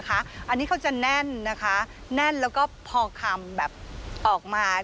อันนี้เขาจะแน่นนะคะแน่นแล้วก็พอคำแบบออกมา